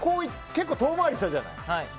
結構、遠回りしたじゃない。